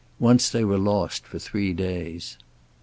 Once they were lost for three days.